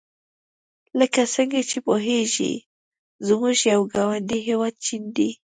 لکه څنګه چې پوهیږئ زموږ یو ګاونډي هېواد چین دی.